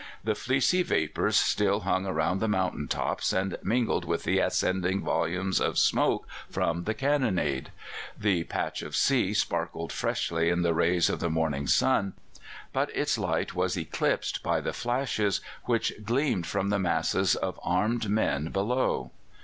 The fleecy vapours still hung around the mountain tops, and mingled with the ascending volumes of smoke from the cannonade; the patch of sea sparkled freshly in the rays of the morning sun, but its light was eclipsed by the flashes which gleamed from the masses of armed men below.